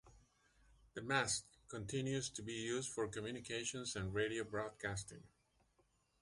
The mast continues to be used for communications and radio broadcasting.